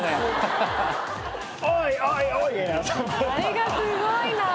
あれがすごいなぁ。